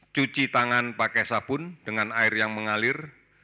cuci tangan pakai sabun dengan air yang mengalir